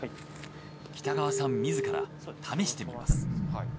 北川さん自ら試してみます。